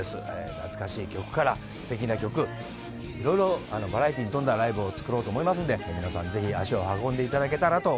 懐かしい曲からすてきな曲色々バラエティーに富んだライブをつくろうと思いますんで皆さんぜひ足を運んでいただけたらと思います。